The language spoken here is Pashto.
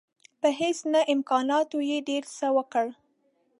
په هیڅ نه امکاناتو یې ډېر څه وکړل.